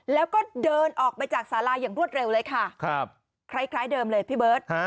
แล้วก็เดินออกไปจากสาราอย่างรวดเร็วเลยค่ะคล้ายเดิมเลยพี่เบิร์ต